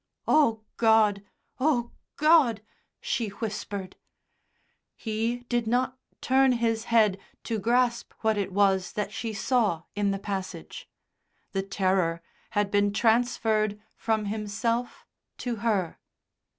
"Oh, God! Oh, God!" she whispered. He did not turn his head to grasp what it was that she saw in the passage. The terror had been transferred from himself to her.